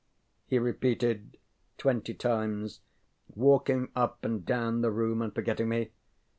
ŌĆÖŌĆØ he repeated twenty times, walking up and down the room and forgetting me.